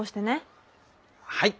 はい。